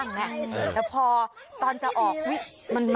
หน้าของสร้าง